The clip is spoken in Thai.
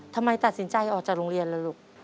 ทำไมตัดสินใจออกจากโรงเรียนล่ะลูก